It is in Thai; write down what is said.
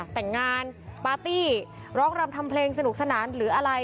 แต่งงานปาร์ตี้ร้องรำทำเพลงสนุกสนานหรืออะไร